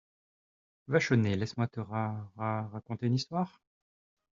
Vachonnet Laisse-moi te ra … ra … raconter une histoire ?